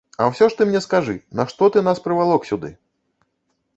А ўсё ж ты мне скажы, нашто ты нас прывалок сюды?